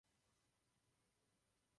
Má bratra a sestru.